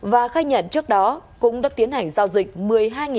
và khai nhận trước đó cũng đã tiến hành giao dịch một mươi hai viên ma túy tổng hợp